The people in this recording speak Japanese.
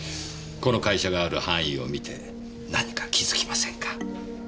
この会社がある範囲を見て何か気づきませんか？